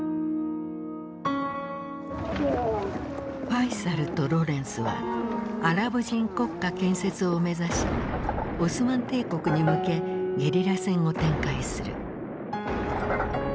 ファイサルとロレンスはアラブ人国家建設を目指しオスマン帝国に向けゲリラ戦を展開する。